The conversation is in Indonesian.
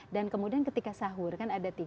dan kemudian ketika sahur kan ada tiga